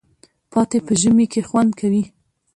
پاتې په ژمي کی خوندکوی